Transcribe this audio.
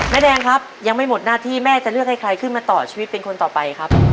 แดงครับยังไม่หมดหน้าที่แม่จะเลือกให้ใครขึ้นมาต่อชีวิตเป็นคนต่อไปครับ